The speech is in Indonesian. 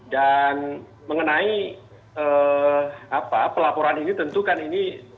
dan mengenai pelaporan ini tentu kan ini